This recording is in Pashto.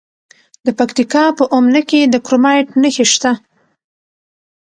د پکتیکا په اومنه کې د کرومایټ نښې شته.